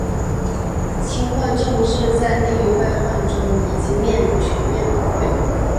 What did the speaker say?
清末政治在内忧外患中已经面临全面崩溃。